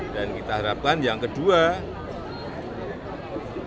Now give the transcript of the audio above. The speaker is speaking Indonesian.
dan kita harapkan yang kedua awan di atas juga telah dilakukan